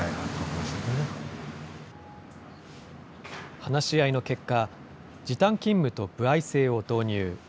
話し合いの結果、時短勤務と歩合制を導入。